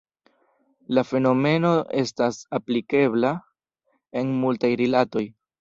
La fenomeno estas aplikebla en multaj rilatoj.